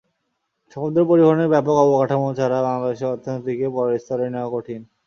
সমুদ্র পরিবহনের ব্যাপক অবকাঠামো ছাড়া বাংলাদেশের অর্থনীতিকে পরের স্তরে নেওয়া কঠিন।